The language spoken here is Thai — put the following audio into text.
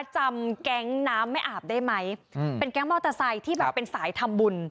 จำแก๊งน้ำไม่อาบได้ไหมเป็นแก๊งมอเตอร์ไซค์ที่แบบเป็นสายทำบุญ